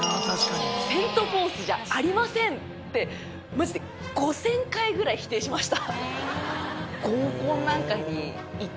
「セント・フォースじゃありません」ってマジで５０００回ぐらい否定しました。